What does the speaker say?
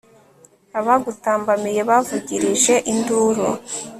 abagutambamiye bavugirije induru